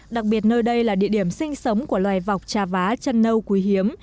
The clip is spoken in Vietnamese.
đặc biệt nơi đây là địa điểm sinh sống của loài vọc trà vá chân nâu quý hiếm